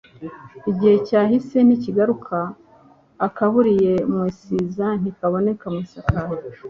Igihe cyahise ntikigaruka Akaburiye mu isiza ntikabonekera mu isakara